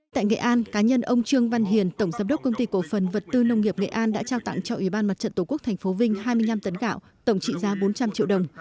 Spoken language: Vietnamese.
tại nghệ an cá nhân ông trương văn hiền tổng giám đốc công ty cổ phần vật tư nông nghiệp nghệ an đã trao tặng cho ủy ban mặt trận tổ quốc tp vinh hai mươi năm tấn gạo tổng trị giá bốn trăm linh triệu đồng